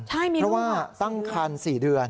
ใช่มีรูปเหมือนกันซื้อว่าเพราะว่าตั้งคัน๔เดือน